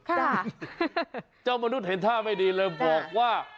เจ้ามนุษย์เห็นท่าไม่ดีเลยบอกว่า